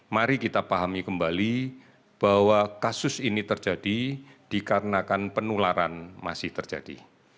mari kita pahami kembali bahwa kasus ini terjadi dikarenakan penularan masih terjadi